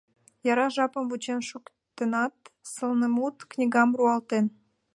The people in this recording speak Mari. Яра жапым вучен шуктенат, сылнымут книгам руалтен.